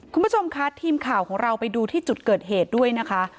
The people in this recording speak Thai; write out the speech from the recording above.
คุณผู้ชมค่ะทีมข่าวของเราไปดูที่จุดเกิดเหตุด้วยนะคะ